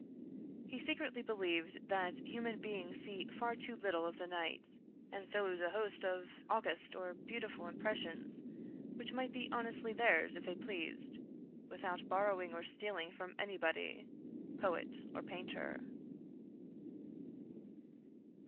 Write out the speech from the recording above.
He secretly believed that human beings see far too little of the night, and so lose a host of august or beautiful impressions, which might be honestly theirs if they pleased, without borrowing or stealing from anybody, poet or painter.